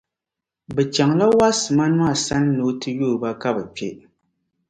Bɛ chaŋla Waasimani maa sani ni o ti yooi ba ka bɛ kpe.